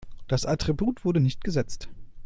Das Attribut wurde nicht gesetzt.